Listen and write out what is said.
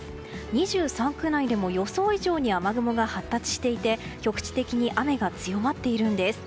２３区内でも予想以上に雨雲が発達していて局地的に雨が強まっているんです。